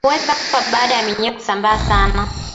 Ndama huweza kufa baada ya minyoo kusambaa sana